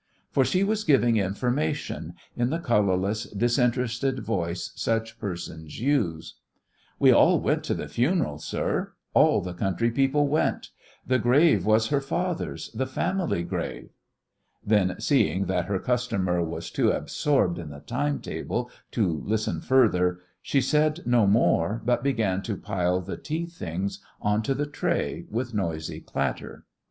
For she was giving information in the colourless, disinterested voice such persons use: "We all went to the funeral, sir, all the country people went. The grave was her father's the family grave...." Then, seeing that her customer was too absorbed in the time table to listen further, she said no more but began to pile the tea things on to the tray with noisy clatter.